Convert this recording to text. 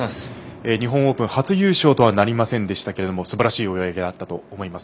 日本オープン、初優勝とはなりませんでしたがすばらしい追い上げがあったと思います。